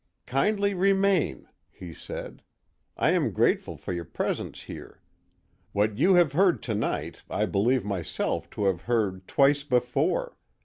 "Kindly remain," he said. "I am grateful for your presence here. What you have heard to night I believe myself to have heard twice before.